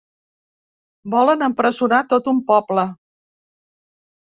Volen empresonar tot un poble.